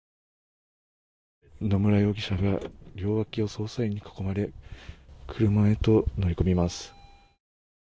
野村容疑者が両脇を捜査員に囲まれ車へと乗り込みます。